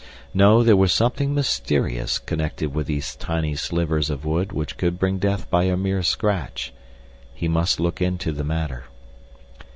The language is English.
No, there was something mysterious connected with these tiny slivers of wood which could bring death by a mere scratch. He must look into the matter.